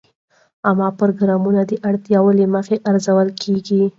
عامه پروګرامونه د اړتیا له مخې ارزول کېږي.